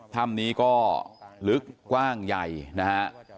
ถ้ำนี้ก็ลึกกว้างใหญ่นะฮะ